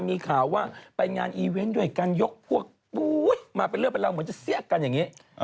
มีข่าวว่าไปงานอีเวนต์ด้วยกันยกพวกมาเป็นเรื่องเป็นเรื่อง